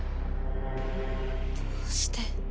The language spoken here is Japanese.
どうして。